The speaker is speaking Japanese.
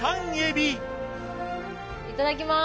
いただきます。